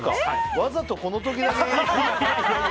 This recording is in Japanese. わざとこの時だけ。